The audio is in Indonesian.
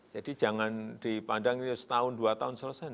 jadi jangan dipandangnya setahun dua tahun selesai